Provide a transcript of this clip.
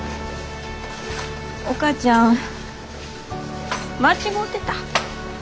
お母ちゃん間違うてた。